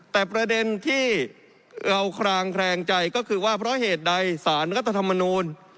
แต่ประเด็นที่เราคลางแคลงใจก็คือว่าเพราะเหตุใดสารรัฐธรรมนูล